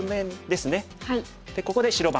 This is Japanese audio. ここで白番。